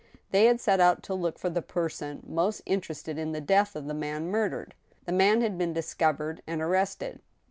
They had set out to look for the person most interested in the death of the man murdered. The man had been discovered and arrested.